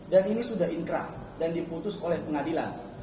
dan ini sudah inkrah dan diputus oleh pengadilan